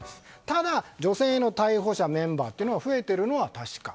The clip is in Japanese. ただ、女性の逮捕者、メンバーは増えているのは確か。